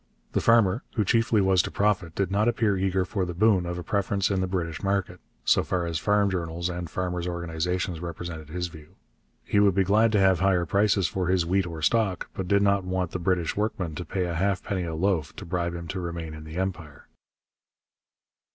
The farmer, who chiefly was to profit, did not appear eager for the boon of a preference in the British market, so far as farm journals and farmers' organizations represented his view. He would be glad to have higher prices for his wheat or stock, but did not want the British workman to pay a halfpenny a loaf to bribe him to remain in the Empire.